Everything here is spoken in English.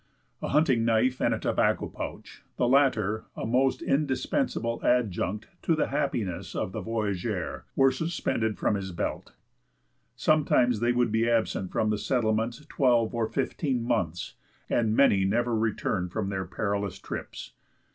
A hunting knife and tobacco pouch, the latter a most indispensable adjunct to the happiness of the voyageur, were suspended from his belt. Sometimes they would be absent from the settlements twelve or fifteen months, and many never returned from their perilous trips.